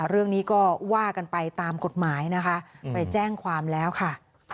เรื่องนี้ก็ว่ากันไปตามกฎหมายนะคะไปแจ้งความแล้วค่ะ